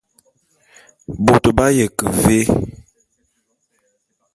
Bôt b'aye ke vé?